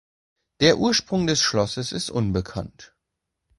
Der Ursprung des Schlosses ist unbekannt.